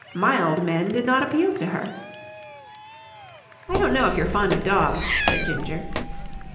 Mild men did not appeal to her. "I don't know if you're fond of dogs?" said Ginger.